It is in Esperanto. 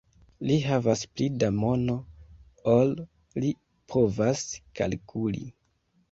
Li havas pli da mono, ol li povas kalkuli.